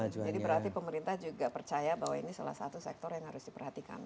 jadi berarti pemerintah juga percaya bahwa ini salah satu sektor yang harus diperhatikan